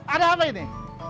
ada apa ini